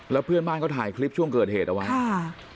แล้วเพื่อนบ้านเขาถ่ายคลิปช่วงเกิดเหตุเอาไว้ค่ะ